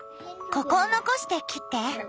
ここを残して切って。